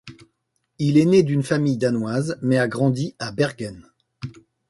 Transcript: Il est né d'une famille danoise mais a grandi à Bergen.